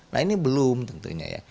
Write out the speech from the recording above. nah ini belum tentunya ya